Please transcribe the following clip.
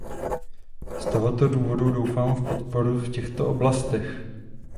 Z tohoto důvodu doufám v podporu v těchto oblastech.